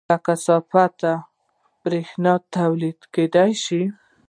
له کثافاتو بریښنا تولید کیدی شي